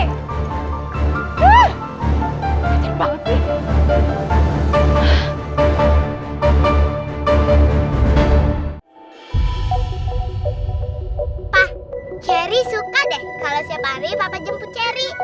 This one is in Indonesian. pah cherry suka deh kalau si fahri bapak jemput cherry seru banget